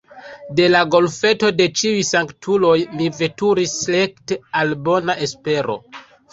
De la Golfeto de Ĉiuj Sanktuloj mi veturis rekte al Bona Espero.